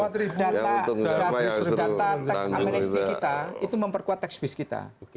data tax amnesty kita itu memperkuat tax fees kita